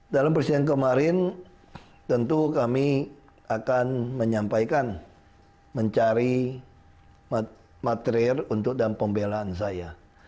dalam persiapan kemarin tentu kami akan menyampaikan mencari materir untuk dalam pembelaan saya